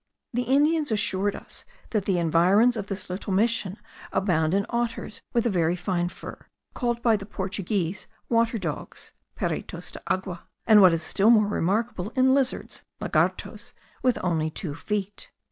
The Indians assured us that the environs of this little mission abound in otters with a very fine fur, called by the Portuguese water dogs (perritos de agua); and what is still more remarkable, in lizards (lagartos) with only two feet.